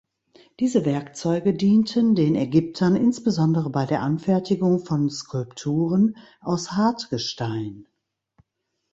Diese Werkzeuge dienten den Ägyptern insbesondere bei der Anfertigung von Skulpturen aus Hartgestein.